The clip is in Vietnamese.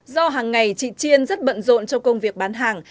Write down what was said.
do hàng ngày chị chiên rất bận rộn trong công việc bán hàng